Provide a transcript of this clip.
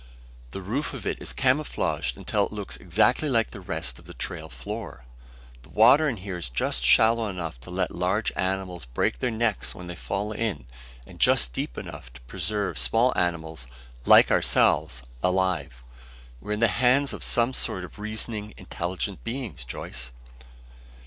The roof of it is camouflaged until it looks exactly like the rest of the trail floor. The water in here is just shallow enough to let large animals break their necks when they fall in and just deep enough to preserve small animals like ourselves alive. We're in the hands of some sort of reasoning, intelligent beings, Joyce!"